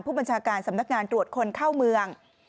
ผู้บัญชาการสำนักงานตรวจคนเข้าเมือง